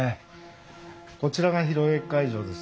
こちらが披露宴会場です。